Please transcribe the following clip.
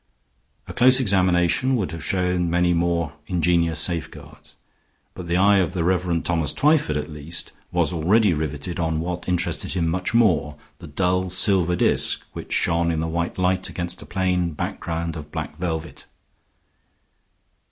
A close examination would have showed many more ingenious safeguards; but the eye of the Rev. Thomas Twyford, at least, was already riveted on what interested him much more the dull silver disk which shone in the white light against a plain background of black velvet.